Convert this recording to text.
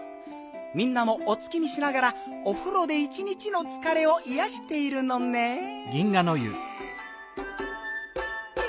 みんなもお月見しながらおふろで一日のつかれをいやしているのねん。